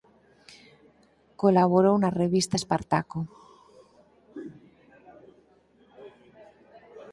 Colaborou na revista "Espartaco".